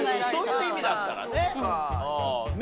そういう意味だったらね。